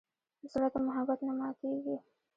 زړه د محبت نه ماتېږي.